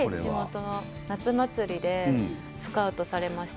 夏祭りでスカウトされました。